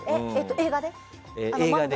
映画で？